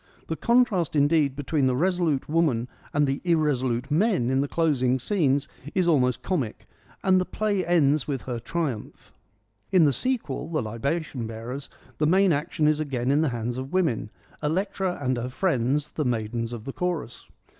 The contrast, indeed, between the resolute woman and the irresolute men in the closing scenes is almost comic, and the play ends with her triumph. In the sequel, The Libation Bearers, the main action is again in the hands of women, Electra and her friends, the maidens of the chorus.